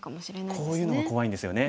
こういうのが怖いんですよね。